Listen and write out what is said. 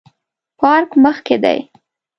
پارک مخ کې دی